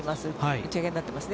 打ち上げになっています。